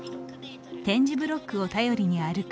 点字ブロックを頼りに歩く